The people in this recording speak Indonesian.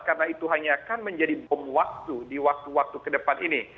karena itu hanya akan menjadi bom waktu di waktu waktu ke depan ini